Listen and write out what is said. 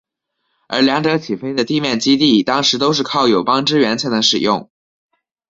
而两者起飞的地面基地当时都是靠友邦支援才能使用。